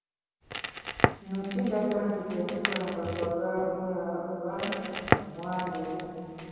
Kino ne kindaga nti teyakikolanga kwagala kumulaba oba nti bamuwaane.